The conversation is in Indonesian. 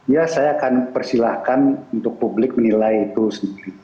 ya saya akan persilahkan untuk publik menilai itu sendiri